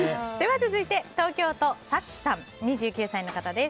続いて東京都の２９歳の方です。